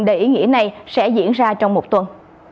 để ý nghĩa này sẽ diễn ra trong một tuần